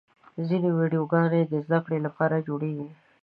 ځینې ویډیوګانې د زدهکړې لپاره جوړېږي.